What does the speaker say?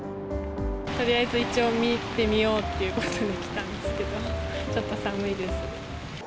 とりあえずイチョウ見てみようということで来たんですけど、ちょっと寒いです。